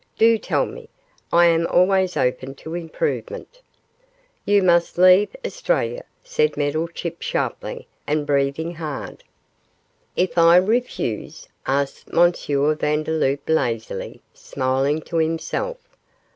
Do tell me; I am always open to improvement.' 'You must leave Australia,' said Meddlechip, sharply, and breathing hard. 'If I refuse?' asked M. Vandeloup, lazily, smiling to himself.